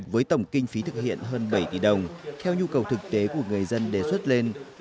với tổng kinh phí thực hiện hơn bảy tỷ đồng theo nhu cầu thực tế của người dân đề xuất lên